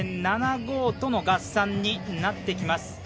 ６２．７５との合算になってきます。